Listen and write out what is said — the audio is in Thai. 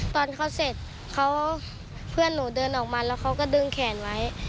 ตอนเขาเสร็จเขาเพื่อนหนูเดินออกมาแล้วเขาก็ดึงแขนไว้